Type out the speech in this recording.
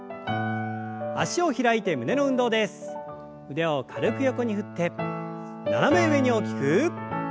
腕を軽く横に振って斜め上に大きく。